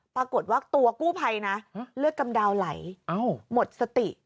ปรากฏว่าตัวกู้ภัยนะเลือดกำดาวไหลหมดสติ